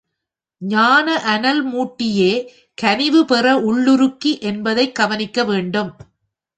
ஞான அனல் மூட்டியே கனிவு பெற உள்ளுருக்கி என்பதைக் கவனிக்க வேண்டும்.